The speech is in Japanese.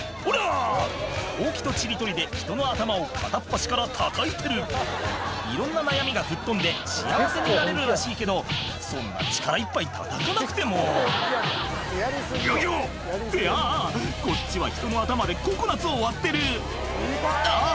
ホウキとちり取りで人の頭を片っ端からたたいてるいろんな悩みが吹っ飛んで幸せになれるらしいけどそんな力いっぱいたたかなくても「よいしょ！」ってあぁあぁこっちは人の頭でココナツを割ってるあぁ